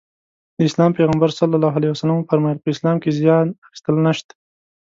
د اسلام پيغمبر ص وفرمايل په اسلام کې زيان اخيستل نشته.